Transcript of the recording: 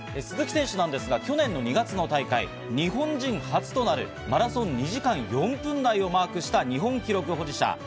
鈴木選手なんですが去年の２月の大会、日本人初となるマラソン２時間４分台をマークした日本記録保持者。